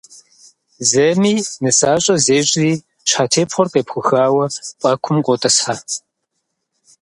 Зэми нысащӏэ зещӏри щхьэтепхъуэр къепхъухауэ пӏэкум къотӏысхьэ.